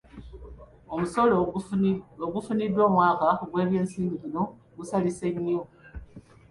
Omusolo ogufuniddwa omwaka gw'ebyensimbi guno gusalise nnyo.